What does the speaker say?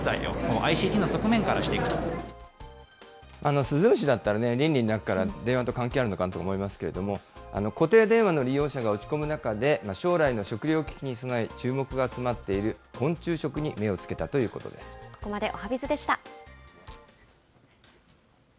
スズムシだったらね、りんりん鳴くから電話と関係あるのかなと思いますけれども、固定電話の利用者が落ち込む中で、将来の食料危機に備え、注目が集まっている昆虫食に目をつけたとここまでおはＢｉｚでした。